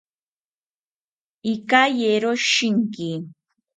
Ikayero shinki